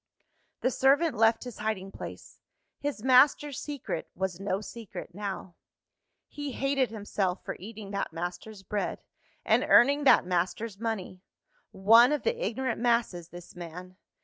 The servant left his hiding place: his master's secret, was no secret now. He hated himself for eating that master's bread, and earning that master's money. One of the ignorant masses, this man!